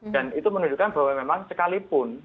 dan itu menunjukkan bahwa memang sekalipun